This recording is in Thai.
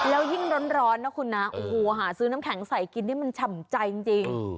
แล้วยิ่งร้อนนะคุณนะโอ้โหหาซื้อน้ำแข็งใส่กินนี่มันฉ่ำใจจริง